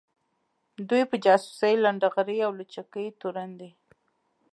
دوی په جاسوۍ ، لنډغري او لوچکۍ تورن دي